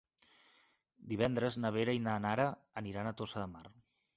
Divendres na Vera i na Nara aniran a Tossa de Mar.